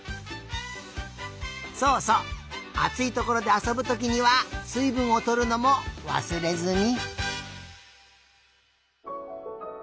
そうそうあついところであそぶときにはすいぶんをとるのもわすれずに。